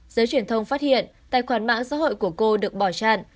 giới truyền thông phát hiện tài khoản mạng xã hội của cô được bỏ chặn